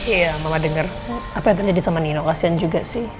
iya mamo denger apa yang terjadi sama nino kasian juga sih